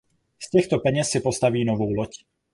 Z těchto peněz si postaví novou loď.